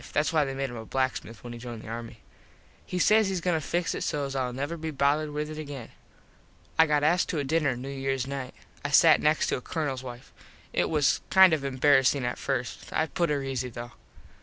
Thats why they made him a blacksmith when he joined the army. He says hes goin to fix it sos Ill never be bothered with it again. I got asked to a dinner New Years night. I sat next to a Colonels wife. It was kind of embarassing at first. I put her easy though.